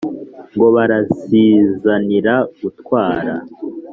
ngo barasizanira gutwara